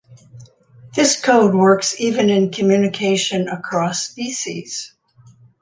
This code works even in communication across species.